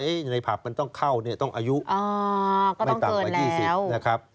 อายุกันในผับก็ต้องเข้าเนี่ยต้องอายุก็ต้องเกิน๒๐นะครับ